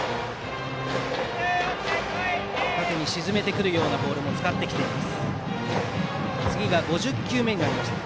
縦に沈めてくるようなボールも使ってきています。